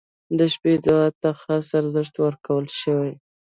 • د شپې دعا ته خاص ارزښت ورکړل شوی.